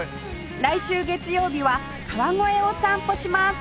来週月曜日は川越を散歩します